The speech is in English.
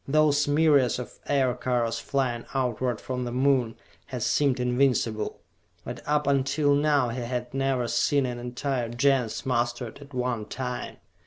Those myriads of Aircars flying outward from the Moon, had seemed invincible; but up until now he had never seen an entire Gens mustered at one time.